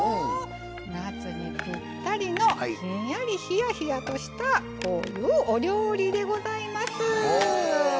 夏にぴったりのひんやりひやひやとしたこういうお料理でございます。